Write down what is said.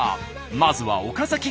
まずは岡崎。